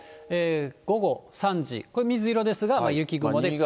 午後３時、これ、水色ですが、雪雲で。